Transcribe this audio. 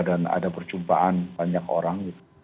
dan ada perjumpaan banyak orang gitu